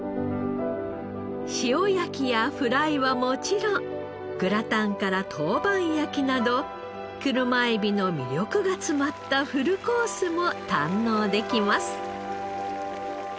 塩焼きやフライはもちろんグラタンから陶板焼きなど車エビの魅力が詰まったフルコースも堪能できます。